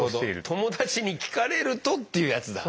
友達に聞かれるとっていうやつだ。